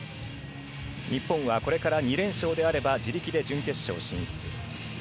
日本は、これから２連勝であれば自力で準決勝進出。